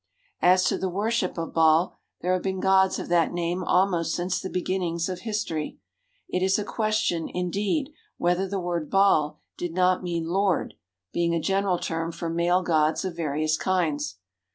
As to the worship of Baal, there have been gods of that name almost since the beginnings of history. It is a question, indeed, whether the word Baal did not mean "lord," being a general term for male gods of various kinds.